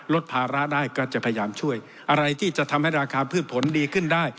ภาระได้ก็จะพยายามช่วยอะไรที่จะทำให้ราคาพืชผลดีขึ้นได้